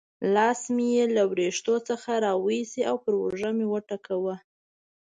لاس مې یې له وریښتو څخه را وایست او پر اوږه مې وټکاوه.